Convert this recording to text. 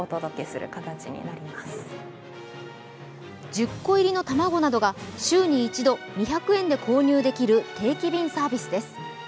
１０個入りの卵などが週に１度２００円で購入できる定期便サービスです。